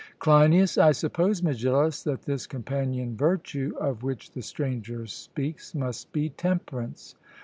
CLEINIAS: I suppose, Megillus, that this companion virtue of which the Stranger speaks, must be temperance?